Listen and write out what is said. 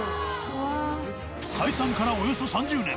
解散からおよそ３０年。